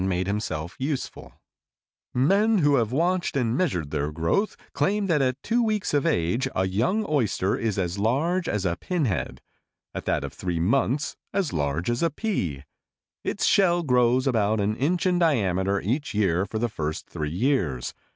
Book again made himself useful. "Men who have watched and measured their growth claim that at two weeks of age a young oyster is as large as a pinhead; at that of three months as large as a pea. Its shell grows about an inch in diameter each year for the first three years.